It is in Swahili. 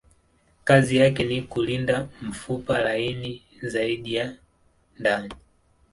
Kazi yake ni kulinda mfupa laini zaidi ya ndani.